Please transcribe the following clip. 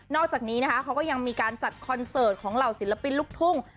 อกจากนี้นะคะเขาก็ยังมีการจัดคอนเสิร์ตของเหล่าศิลปินลูกทุ่ง